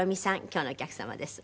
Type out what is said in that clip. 今日のお客様です。